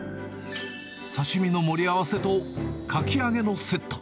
刺身の盛り合わせとかき揚げのセット。